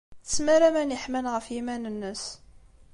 Tesmar aman yeḥman ɣef yiman-nnes.